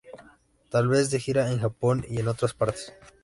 Tal vez de gira en Japón y en todas partes.